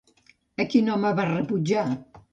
A quin home va rebutjar?